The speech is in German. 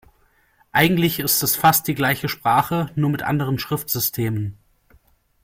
Eigentlich ist es fast die gleiche Sprache, nur mit anderen Schriftsystemen.